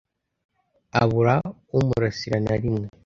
abura umurasira na rimwe